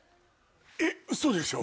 えっウソでしょ？